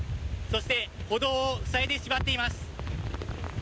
そして歩道を塞いでしまっています。